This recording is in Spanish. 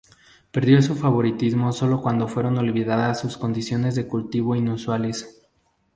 Perdió su favoritismo sólo cuando fueron olvidadas sus condiciones de cultivo inusuales.